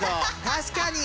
確かに！